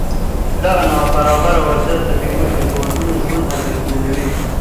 دغه نابرابره وضعیت د بېوزلو هېوادونو ژوند اغېزمنوي.